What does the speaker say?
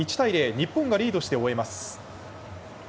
日本がリードして終えます。